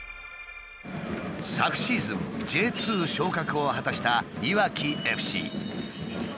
昨シーズンＪ２昇格を果たしたいわきＦＣ。